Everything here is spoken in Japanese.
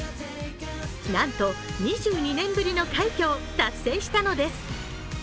なんと２２年ぶりの快挙を達成したのです。